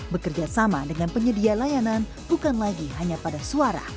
bekerja sama dengan penyedia layanan bukan lagi hanya pada suara